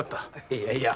いやいや。